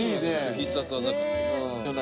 必殺技感。